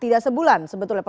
tidak sebulan sebetulnya